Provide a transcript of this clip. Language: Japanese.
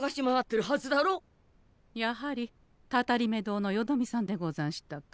やはりたたりめ堂のよどみさんでござんしたか。